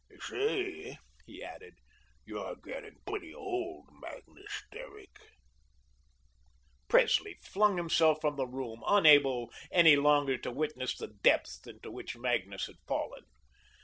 You see," he added, "you're getting pretty old, Magnus Derrick." Presley flung himself from the room, unable any longer to witness the depths into which Magnus had fallen.